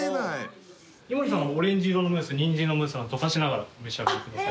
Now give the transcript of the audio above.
井森さんオレンジ色のムースニンジンのムースを溶かしながらお召し上がりください。